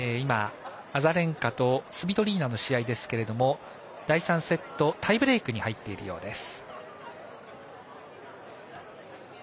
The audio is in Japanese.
アザレンカとスビトリーナの試合は第３セットタイブレークに入っているようです。